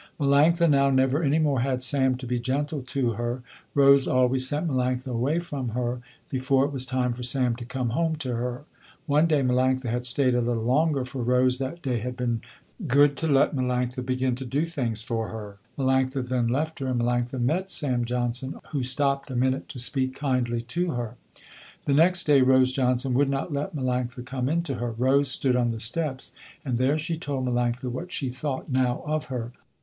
Melanctha now never any more had Sam to be gentle to her. Rose always sent Melanctha away from her before it was time for Sam to come home to her. One day Melanctha had stayed a little longer, for Rose that day had been good to let Melanctha begin to do things for her. Melanctha then left her and Melanctha met Sam Johnson who stopped a minute to speak kindly to her. The next day Rose Johnson would not let Melanctha come in to her. Rose stood on the steps, and there she told Melanctha what she thought now of her.